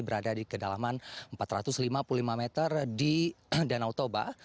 berada di kedalaman empat ratus lima puluh lima meter di danau toba